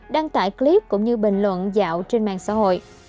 đăng tải clip cũng như bình luận dạo trên mạng xã hội